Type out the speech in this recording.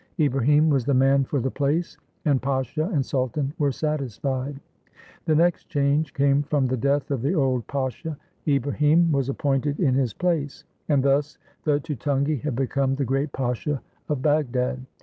Ibrahim was the man for the place, and pasha and sultan were satisfied. The next change came from the death of the old pasha. Ibrahim was appointed in his place; and thus, the tutungi had become the great pasha of Bagdad.